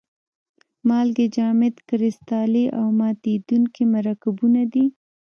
مالګې جامد کرستلي او ماتیدونکي مرکبونه دي.